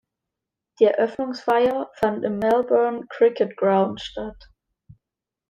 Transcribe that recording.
Die Eröffnungsfeier fand im Melbourne Cricket Ground statt.